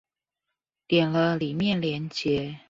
點了裡面連結